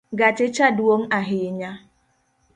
Gache cha dwong ahinya.